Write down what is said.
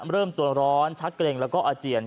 เริ่มตัวร้อนชักเกร็งแล้วก็อาเจียน